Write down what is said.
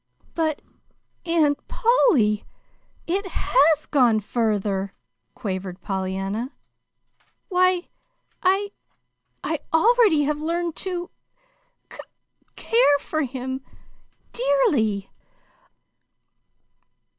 "But, Aunt Polly, it HAS gone further," quavered Pollyanna. "Why, I I already have learned to lo c care for him dearly."